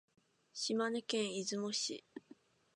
島根県出雲市